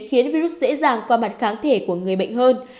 khiến virus dễ dàng qua mặt kháng thể của người bệnh hơn